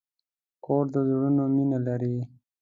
کور د زړونو مینه لري.